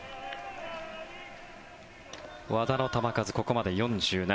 和田の球数、ここまで４７。